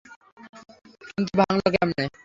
কিন্তু ভাঙলো কেমনে?